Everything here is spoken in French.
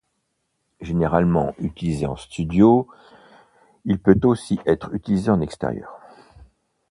Généralement utilisé en studio, il peut aussi être utilisé en extérieur.